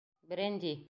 — Бренди!